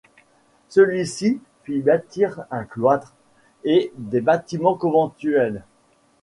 Celui-ci y fit bâtir un cloître et des bâtiments conventuels.